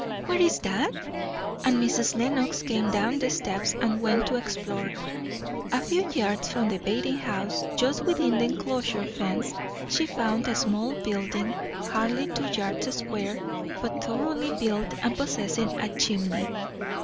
"Where is that?" And Mrs. Lenox came down the steps and went to explore. A few yards from the bathing house, just within the enclosure fence, she found a small building, hardly two yards square, but thoroughly built and possessing a chimney.